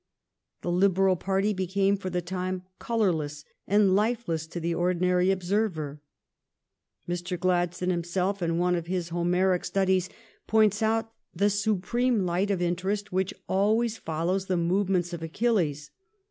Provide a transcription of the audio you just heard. The Liberal party became for the time colorless and lifeless to the ordinary observer. Mr. Gladstone himself, in one of his Homeric studies, points out the supreme light of interest which always follows the movements of Achilles.